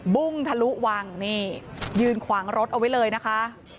บุ้งทะลุวังนี่ยืนขวางรถเอาไว้เลยนะคะ